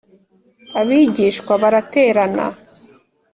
Abigishwa baraterana